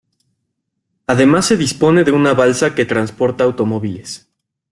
Además se dispone de una balsa que transporta automóviles.